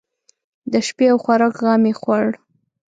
د شپې او خوراک غم یې خوړ.